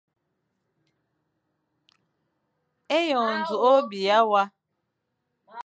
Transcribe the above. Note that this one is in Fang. Eyon njuk o biya wa.